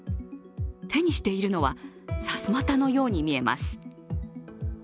手にしているのはさすまたのように見えます。